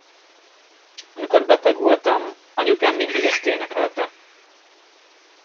Amikor beteg voltam, anyukám mindig ezt énekelte.